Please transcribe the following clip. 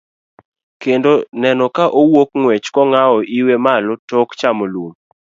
Kendo neno ka owuok ng'wech, kong'awo iwe malo tok chamo lum.